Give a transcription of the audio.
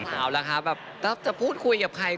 เอาล่ะคะแบบถ้าจะพูดคุยกับใคร